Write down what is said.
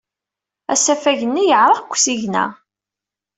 Asafag-nni yeɛreq deg usigna.